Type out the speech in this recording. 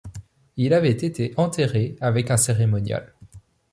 Il avait été enterré avec un cérémonial.